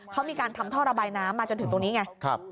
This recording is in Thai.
เขามีการทำท่อระบายน้ำมาจนถึงตรงนี้ไง